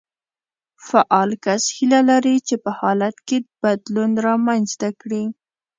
فعال کس هيله لري چې په حالت کې بدلون رامنځته کړي.